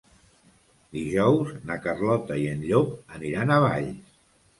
Dijous na Carlota i en Llop aniran a Valls.